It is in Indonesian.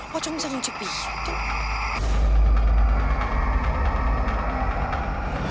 wacong bisa menjepit